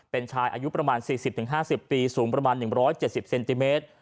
เป็นชายอายุประมาณ๔๐๕๐ปีสูงประมาณ๑๗๐เซนติเมตร